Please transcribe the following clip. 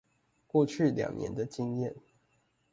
過去兩年的經驗